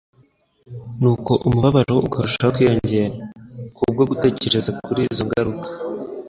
nuko umubabaro ukarushaho kwiyongera, kubwo gutekereza kuri izo ngaruka.